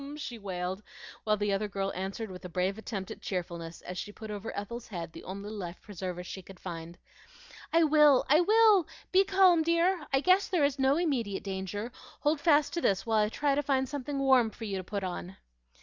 she wailed; while the other girl answered with a brave attempt at cheerfulness, as she put over Ethel's head the only life preserver she could find, . "I will! I will! Be calm, dear! I guess there is no immediate danger. Hold fast to this while I try to find something warm for you to put on."